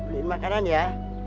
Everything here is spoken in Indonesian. beliin makanan ya